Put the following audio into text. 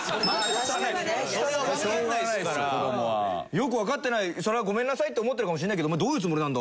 しょうがないですよ子どもは。よくわかってないそれはごめんなさいって思ってるかもしれないけどどういうつもりなんだ？